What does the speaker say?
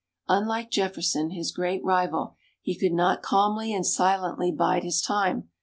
Unlike Jefferson, his great rival, he could not calmly and silently bide his time.